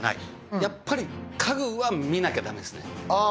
やっぱり家具は見なきゃ駄目ですねああ